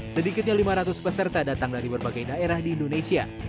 sedikitnya lima ratus peserta datang dari berbagai daerah di indonesia